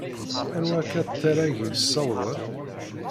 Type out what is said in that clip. Anwa akka ṭṭir-agi ssawḍen?